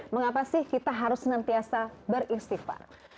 mengapa sih kita harus senantiasa beristighfar